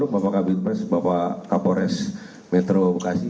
bapak kabupaten presiden bapak kapolres metro bekasi